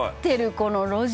この路地に」